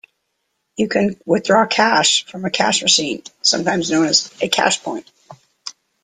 You can withdraw cash from a cash machine, sometimes known as a cashpoint